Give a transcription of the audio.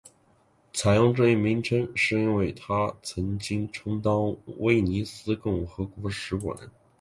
采用这一名称是因为它曾经充当威尼斯共和国使馆。